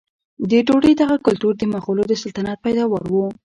د ډوډۍ دغه کلتور د مغولو د سلطنت پیداوار و.